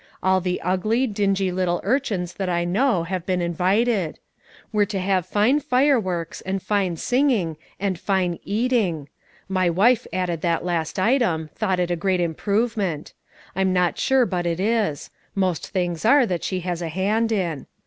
All the ugly, dingy little urchins that I know have been invited. We're to have fine fireworks and fine singing and fine eating. My wife added that last item, thought it a great improvement. I'm not sure but it is; most things are that she has a hand in.